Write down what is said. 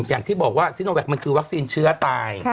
อย่างที่บอกว่าซิโนแวคมันคือวัคซีนเชื้อตาย